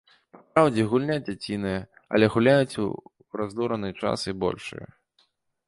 Папраўдзе, гульня дзяціная, але гуляюць у раздураны час і большыя.